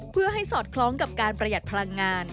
เพื่อให้สอดคล้องกับการประหยัดพลังงาน